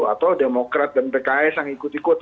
atau demokrat dan pks yang ikut ikut